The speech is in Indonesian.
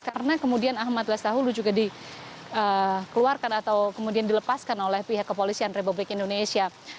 karena kemudian ahmad lestahulu juga dikeluarkan atau kemudian dilepaskan oleh pihak kepolisian republik indonesia